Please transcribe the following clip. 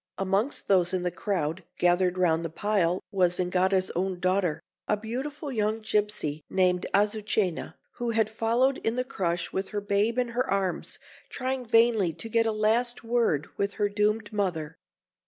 Amongst those in the crowd gathered round the pile was the Zingara's own daughter, a beautiful young gipsy named Azucena, who had followed in the crush with her babe in her arms, trying vainly to get a last word with her doomed mother.